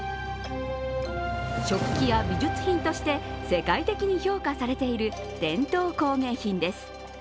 食器や美術品として世界的に評価されている伝統工芸品です。